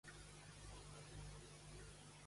Quin ritu es fa a l'Antestèria?